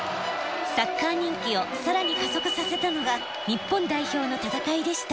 サッカー人気をさらに加速させたのが日本代表の戦いでした。